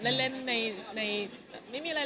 เล่นเพื่อนเพื่อนแท้ลึก